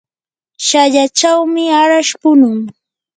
shallachawmi arash punun.